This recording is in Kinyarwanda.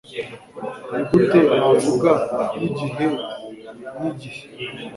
nigute navuga nigihe nigihe